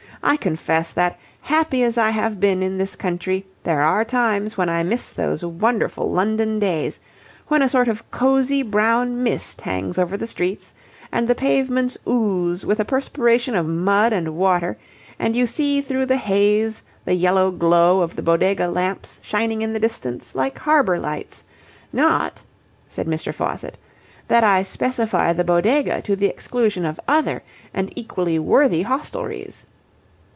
"I confess that, happy as I have been in this country, there are times when I miss those wonderful London days, when a sort of cosy brown mist hangs over the streets and the pavements ooze with a perspiration of mud and water, and you see through the haze the yellow glow of the Bodega lamps shining in the distance like harbour lights. Not," said Mr. Faucitt, "that I specify the Bodega to the exclusion of other and equally worthy hostelries.